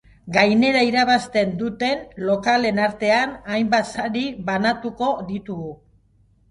Gainera, irabazten duten lokalen artean hainbat sari banatuko ditugu.